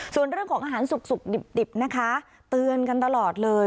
ส่วนเรื่องของอาหารสุกดิบนะคะเตือนกันตลอดเลย